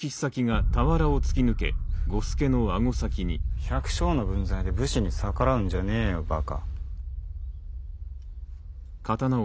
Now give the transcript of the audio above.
百姓の分際で武士に逆らうんじゃねえよバカ。